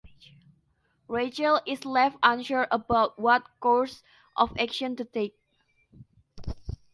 Rachel is left unsure about what course of action to take.